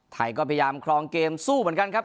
ไทยก็พยายามครองเกมสู้เหมือนกันครับ